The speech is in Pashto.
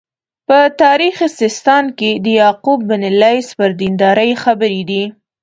په تاریخ سیستان کې د یعقوب بن لیث پر دینداري خبرې دي.